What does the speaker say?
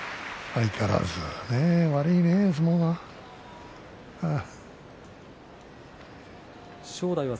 相変わらず悪いね、相撲が正代は。